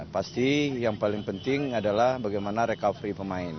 pasti yang paling penting adalah bagaimana recovery pemain